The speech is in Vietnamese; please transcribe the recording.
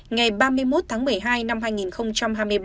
ngày ba mươi một tháng một mươi hai năm hai nghìn hai mươi ba